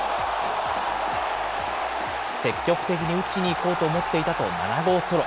積極的に打ちにいこうと思っていたと７号ソロ。